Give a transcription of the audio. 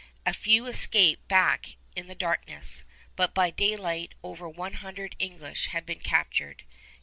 A few escaped back in the darkness, but by daylight over one hundred English had been captured.